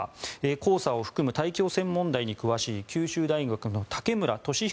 黄砂を含む大気汚染問題に詳しい九州大学の竹村俊彦